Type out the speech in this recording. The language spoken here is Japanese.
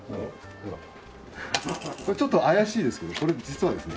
これちょっと怪しいですけどこれ実はですね